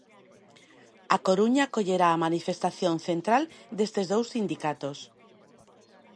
A Coruña acollerá a manifestación central destes dous sindicatos.